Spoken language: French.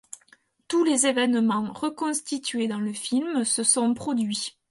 Tous les évènements reconstitués dans le film se sont produits.